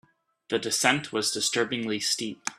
The descent was disturbingly steep.